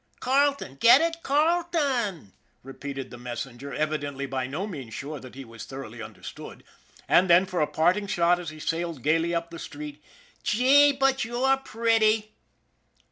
" Carleton. Get it ? Carleton,'' repeated the mes senger, evidently by no means sure that he was thoroughly understood; and then, for a parting shot as he sailed gayly up the street :" Gee, but you're pretty